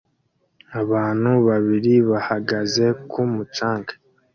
Abantu babiri bahagaze ku mucanga